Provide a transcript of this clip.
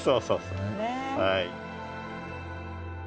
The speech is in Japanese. はい。